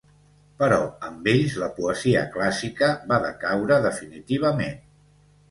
Però amb ells la poesia clàssica va decaure definitivament.